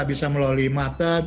bisa melalui mata